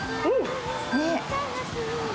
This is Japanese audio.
ねっ。